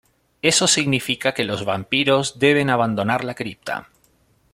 Eso significa que los vampiros deben abandonar la cripta.